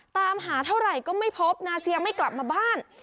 ตามหาเท่าไหร่ก็ไม่พบนาเซียไม่กลับมาบ้าน